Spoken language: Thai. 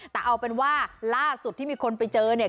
แต่เอาเป็นว่าล่าสุดที่มีคนไปเจอเนี่ย